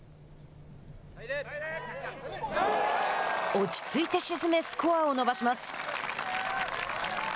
落ち着いて沈めスコアを伸ばします。